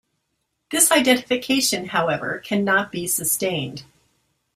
This identification, however, cannot be sustained.